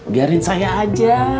biarin saya aja